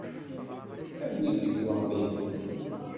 Awi-d lekwaɣeḍ-nnem.